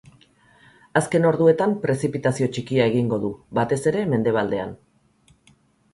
Azken orduetan, prezipitazio txikia egingo du, batez ere mendebaldean.